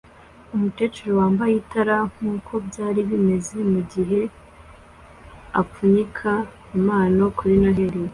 Umukecuru yambaye itara nkuko byari bimeze mugihe apfunyika impano kuri Noheri